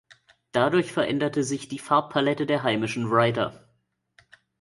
Dadurch veränderte sich die Farbpalette der heimischen Writer.